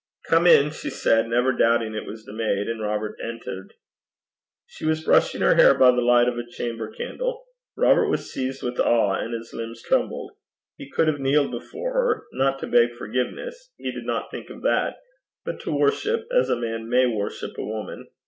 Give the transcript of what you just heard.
'Come in,' she said, never doubting it was the maid, and Robert entered. She was brushing her hair by the light of a chamber candle. Robert was seized with awe, and his limbs trembled. He could have kneeled before her not to beg forgiveness, he did not think of that but to worship, as a man may worship a woman.